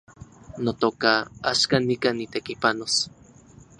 Notoka, axkan nikan nitekipanos